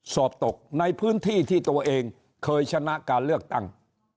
สอบตกในพื้นที่ที่ตัวเองเคยชนะการเลือกตั้ง